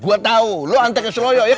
gue tau lo hantar ke seloyo ya kan